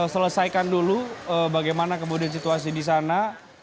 selesaikan dulu bagaimana kemudian situasi di sana